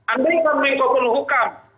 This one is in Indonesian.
andai kan mengko puluh hukam